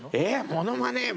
モノマネ。